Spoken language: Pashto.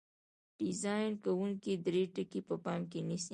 ډیزاین کوونکي درې ټکي په پام کې نیسي.